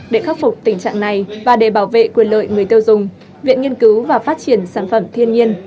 để khắc phục tình trạng này và để bảo vệ quyền lợi người tiêu dùng viện nghiên cứu và phát triển sản phẩm thiên nhiên